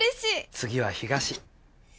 次は東。